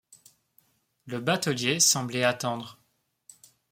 Le batelier semblait attendre.